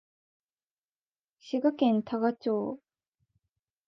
滋賀県多賀町